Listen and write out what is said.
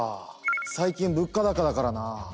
最近物価高だからな。